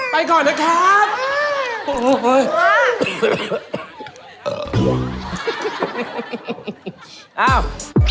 ไปก่อนนะครับ